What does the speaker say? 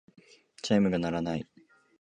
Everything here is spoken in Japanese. チャイムが鳴らない。